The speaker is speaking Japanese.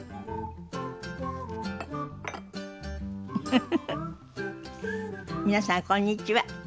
フフフフ皆さんこんにちは。